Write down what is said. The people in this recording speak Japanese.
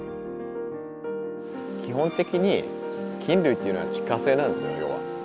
基本的に菌類というのは地下生なんですよ要は。